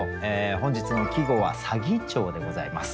本日の季語は「左義長」でございます。